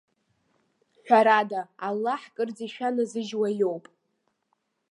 Ҳәарада Аллаҳ кырӡа ишәаназыжьуа иоуп.